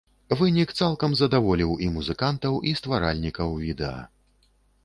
Вынік цалкам задаволіў і музыкантаў, і стваральнікаў відэа.